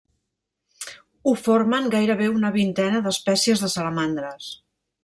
Ho formen gairebé una vintena d'espècies de salamandres.